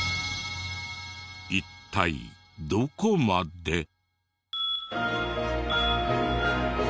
一体どこまで？